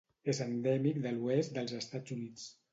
És endèmic de l'oest dels Estats Units.